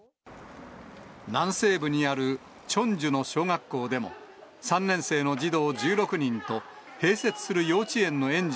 南西部にあるチョンジュの小学校でも、３年生の児童１６人と、併設する幼稚園の園児